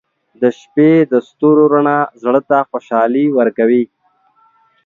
• د شپې د ستورو رڼا زړه ته خوشحالي ورکوي.